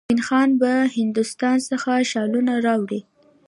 مومن خان به هندوستان څخه شالونه راوړي.